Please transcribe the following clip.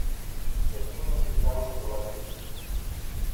С таким небесам не блажить.